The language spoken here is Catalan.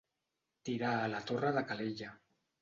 Tirar a la torre de Calella.